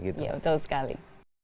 iya betul sekali